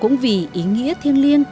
cũng vì ý nghĩa thiêng liêng